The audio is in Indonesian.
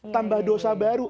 tambah dosa baru